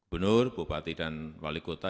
benur bupati dan wali kota